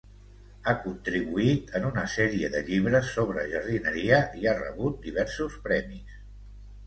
Ha contribuït en una sèrie de llibres sobre jardineria i ha rebut diversos premis.